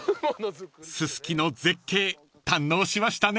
［ススキの絶景堪能しましたね］